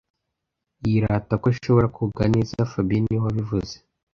Yirata ko ashobora koga neza fabien niwe wabivuze